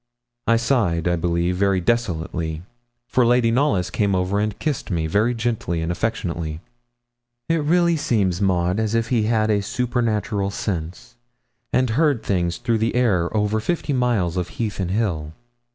I sighed, I believe, very desolately, for Lady Knollys came over and kissed me very gently and affectionately. 'It really seems, Maud, as if he had a supernatural sense, and heard things through the air over fifty miles of heath and hill.